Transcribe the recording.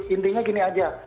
intinya gini saja